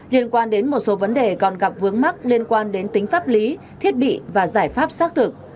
liên quan đến một số vấn đề còn gặp vướng mắc liên quan đến tính pháp lý thiết bị và giải pháp xác thực